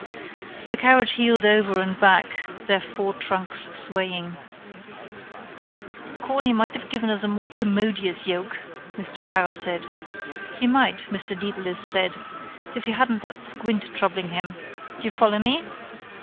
The carriage heeled over and back, their four trunks swaying. —Corny might have given us a more commodious yoke, Mr Power said. —He might, Mr Dedalus said, if he hadn't that squint troubling him. Do you follow me?